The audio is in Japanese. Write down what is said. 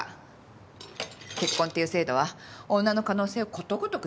結婚っていう制度は女の可能性をことごとくつぶすんだから。